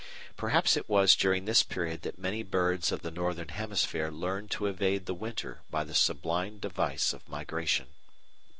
Perhaps it was during this period that many birds of the Northern Hemisphere learned to evade the winter by the sublime device of migration.